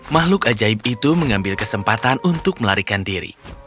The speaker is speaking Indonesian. makhluk ajaib itu mengambil kesempatan untuk melarikan diri